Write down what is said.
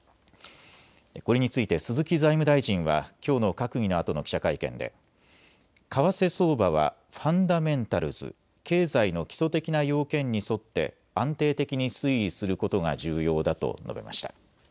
これについて鈴木財務大臣はきょうの閣議のあとの記者会見で為替相場はファンダメンタルズ・経済の基礎的な要件に沿って安定的に推移することが重要だと述べました。